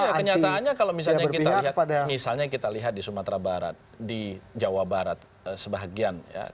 oh ya kenyataannya kalau misalnya kita lihat di sumatera barat di jawa barat sebagian